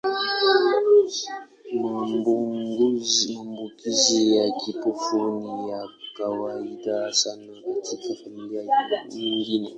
Maambukizi ya kibofu ni ya kawaida sana katika familia nyingine.